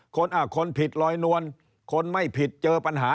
คนผิดลอยนวลคนไม่ผิดเจอปัญหา